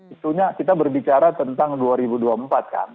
itunya kita berbicara tentang dua ribu dua puluh empat kan